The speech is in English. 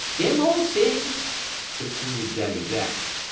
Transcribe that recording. "Dem all sem," continued Daddy Jack.